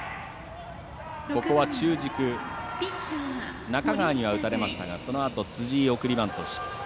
ここは中軸中川には打たれましたがそのあと辻井送りバント失敗。